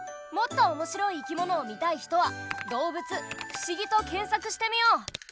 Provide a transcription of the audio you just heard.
もっとおもしろい生き物を見たい人は「動物」「不思議」と検さくしてみよう。